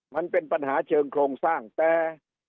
มันเป็นปัญหาเชิงโครงสร้างแต่